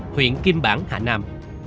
huyện kim bản hà nam